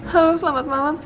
halo selamat malam